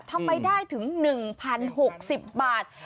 ทำไมได้ถึง๑๐๖๐บาท